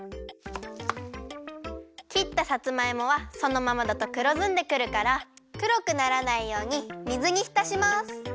きったさつまいもはそのままだとくろずんでくるからくろくならないように水にひたします。